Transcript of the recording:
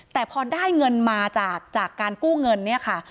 แต่พอได้เงินมาจากการกู้เงินเนี่ยค่ะ